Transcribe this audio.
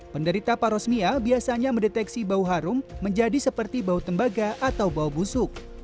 penderita parosmia biasanya mendeteksi bau harum menjadi seperti bau tembaga atau bau busuk